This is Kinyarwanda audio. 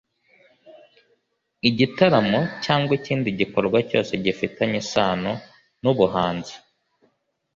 igitaramo cyangwa ikindi gikorwa cyose gifitanye isano n’ubuhanzi